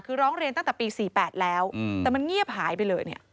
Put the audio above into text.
คือร้องเรียนตั้งแต่ปี๔๘แล้วแต่มันเงียบหายไปเลยเนี่ย